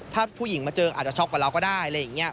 ถ้าผู้หญิงมาเจออาจจะช็อกกว่าเราก็ได้อะไรอย่างนี้